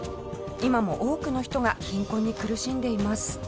今も多くの人が貧困に苦しんでいます。